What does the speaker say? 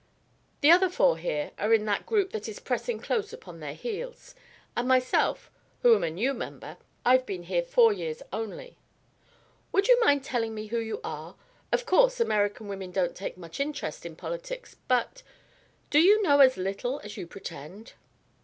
The other four here are in that group that is pressing close upon their heels; and myself, who am a new member: I've been here four years only. Would you mind telling me who you are? Of course American women don't take much interest in politics, but do you know as little as you pretend?"